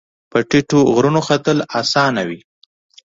په ټیټو غرونو ختل اسان وي